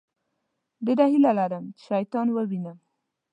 ډېره هیله لرم چې شیطان ووينم.